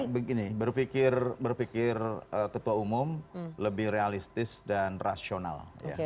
begini berpikir ketua umum lebih realistis dan rasional